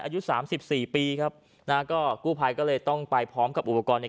อายุ๓๔ปีครับนะก็กู้ภัยก็เลยต้องไปพร้อมกับอุปกรณ์ใน